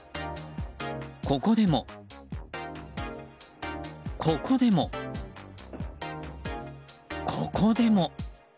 ここでも、ここでも、ここでも。